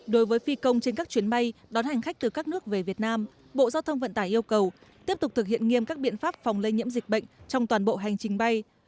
đối với phi công trên các chuyến bay đón hành khách từ các nước về việt nam bộ giao thông vận tải yêu cầu tiếp tục thực hiện nghiêm các biện pháp phòng lây nhiễm dịch bệnh trong toàn bộ hành trình bay